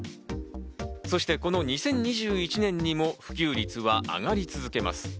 そして、この２０２１年にも普及率は上がり続けます。